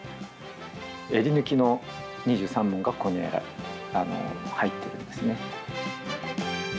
えり抜きの２３問がここに入っているんですね。